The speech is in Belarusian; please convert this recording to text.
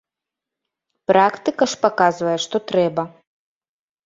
Практыка ж паказвае, што трэба.